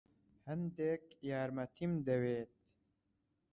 هەندێک یارمەتیم دەوێت.